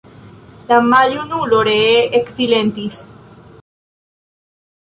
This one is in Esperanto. La maljunulo ree eksilentis.